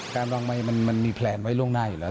การวางไมค์มันมีแพลนไว้ล่วงหน้าอยู่แล้ว